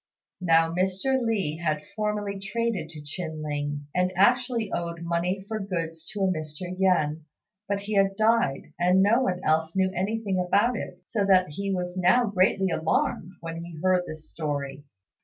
Now Mr. Li had formerly traded to Chin ling, and actually owed money for goods to a Mr. Yen; but he had died, and no one else knew anything about it, so that he was now greatly alarmed when he heard this story.